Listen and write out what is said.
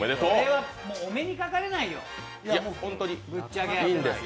お目にかかれないよ。